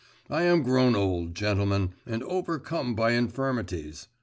I am grown old, gentlemen, and overcome by infirmities.